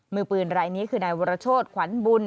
มือปืนรายนี้คือนายวรโชธขวัญบุญ